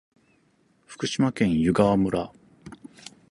福島県湯川村